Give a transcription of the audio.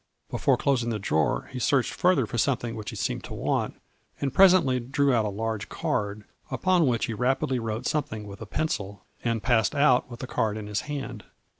Before closing the drawer he searched further for something which he seemed to want and presently drew out a large card, upon which he rapidly wrote something with a pencil, and passed out with the card in his hand.